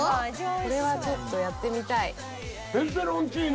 「これはちょっとやってみたい」